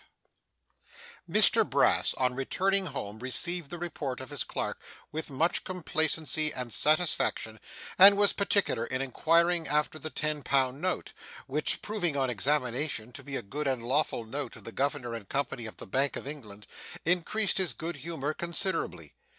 CHAPTER 35 Mr Brass on returning home received the report of his clerk with much complacency and satisfaction, and was particular in inquiring after the ten pound note, which, proving on examination to be a good and lawful note of the Governor and Company of the Bank of England, increased his good humour considerably.